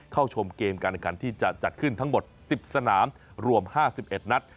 เข้าชมเกมการแข่งขันที่จะจัดขึ้นทั้งหมด๑๐สนามรวม๕๑นัด